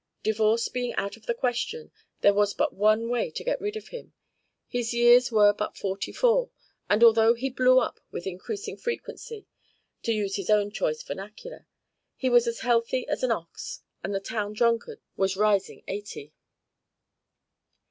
Divorce being out of the question, there was but one way to get rid of him: his years were but forty four, and although he "blew up" with increasing frequency, to use his own choice vernacular, he was as healthy as an ox, and the town drunkard was rising eighty.